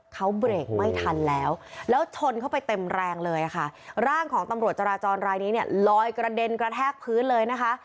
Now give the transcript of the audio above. เขาเบรกไม่ทันแล้วแล้วชนเข้าไปเต็มแรงเลยค่ะร่างของตำรวจจราจรรายนี้เนี่ยลอยกระเด็นกระแทกพื้นเลยนะคะ